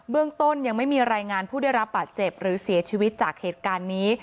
เรื่องต้นยังไม่มีรายงานผู้ได้รับบาดเจ็บหรือเสียชีวิตจากเหตุการณ์นี้